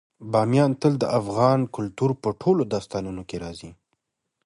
بامیان تل د افغان کلتور په ټولو داستانونو کې راځي.